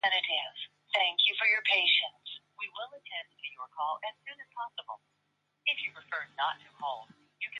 The legend of a sunken kingdom appears in both Cornish and Breton mythology.